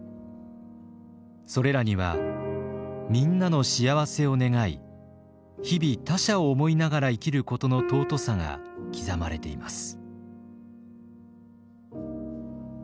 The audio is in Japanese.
それらにはみんなの幸せを願い日々他者を思いながら生きることの尊さが刻まれています。